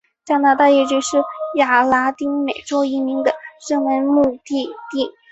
加拿大一直是亚裔拉丁美洲移民的热门目的地。